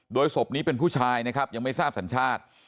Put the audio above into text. โดยศพนี้เป็นผู้ชายนะครับยังไม่ทราบสัญชาติ